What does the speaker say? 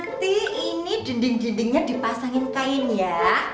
mak nanti ini dinding dindingnya dipasangin kain ya